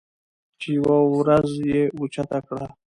چې يوه وروځه یې اوچته کړه